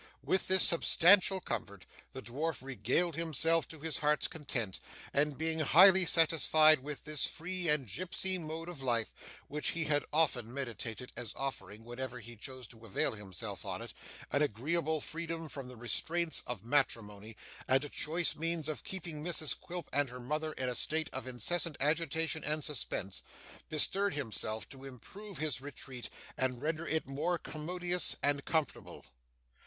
With this substantial comfort, the dwarf regaled himself to his heart's content; and being highly satisfied with this free and gipsy mode of life (which he had often meditated, as offering, whenever he chose to avail himself of it, an agreeable freedom from the restraints of matrimony, and a choice means of keeping Mrs Quilp and her mother in a state of incessant agitation and suspense), bestirred himself to improve his retreat, and render it more commodious and comfortable.